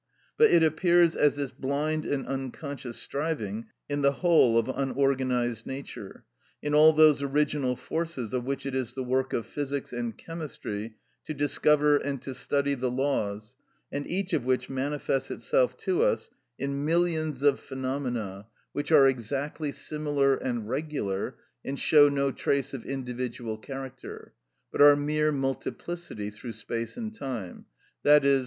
But it appears as this blind and unconscious striving in the whole of unorganised nature, in all those original forces of which it is the work of physics and chemistry to discover and to study the laws, and each of which manifests itself to us in millions of phenomena which are exactly similar and regular, and show no trace of individual character, but are mere multiplicity through space and time, _i.e.